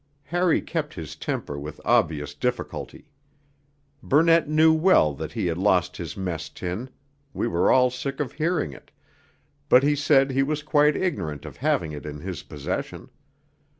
Harry kept his temper with obvious difficulty. Burnett knew well that he had lost his mess tin (we were all sick of hearing it), but he said he was quite ignorant of having it in his possession.